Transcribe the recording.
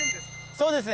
そうです。